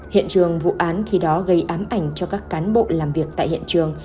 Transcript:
hiện trường vụ án khi đó gây ám ảnh cho các cán bộ làm việc tại hiện trường